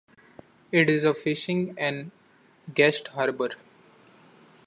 It is a fishing and guest harbour.